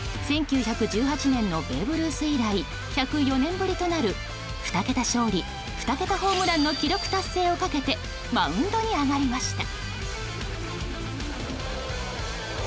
１９１８年のベーブ・ルース以来１０４年ぶりとなる２桁勝利２桁ホームランの記録達成をかけてマウンドに上がりました。